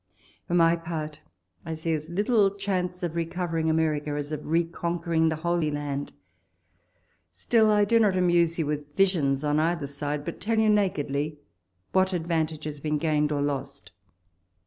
For my part, 1 see as little chance of recovering America as of re conquer ing the Holy Land. Still, I do not amuse you with visions on cither side, but tell you nakedly what advantage has been gained or lost.